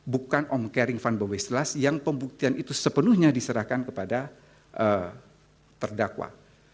bukan om kering van bovislas yang pembuktian itu sepenuhnya diserahkan kepada terdakwa